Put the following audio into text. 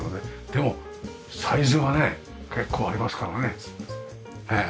でもサイズがね結構ありますからね。へえ。